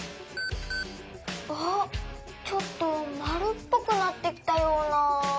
あっちょっとまるっぽくなってきたような。